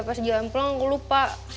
pas jalan pulang aku lupa